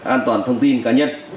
an toàn thông tin cá nhân